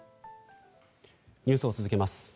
ニュースを続けます。